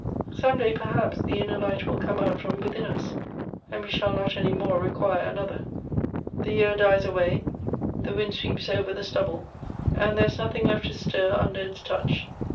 Some day, perhaps, the inner light will come out from within us, and we shall not any more require another. " The year dies away, the wind sweeps over the stub ble, and there is nothing left to stir under its touch.